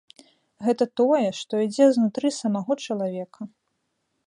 Гэта тое, што ідзе знутры самога чалавека.